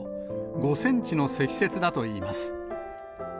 ５センチの積雪だといいます。